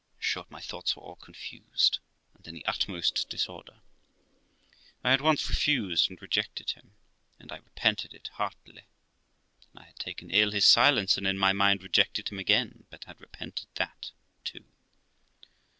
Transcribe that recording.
In short, my thoughts were all confused and in the utmost disorder. I had once refused and rejected him, and I repented it heartily; then I had taken ill his silence, and in my mind rejected him again, but had repented that too.